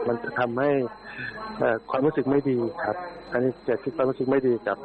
มันจะทำให้ความรู้สึกไม่ดีครับอันนี้อย่าคิดความรู้สึกไม่ดีครับ